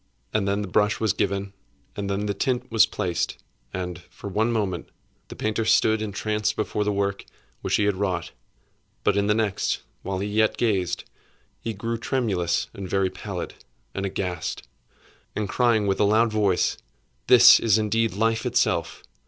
And then the brush was given, and then the tint was placed; and, for one moment, the painter stood entranced before the work which he had wrought; but in the next, while he yet gazed, he grew tremulous and very pallid, and aghast, and crying with a loud voice, 'This is indeed Life itself!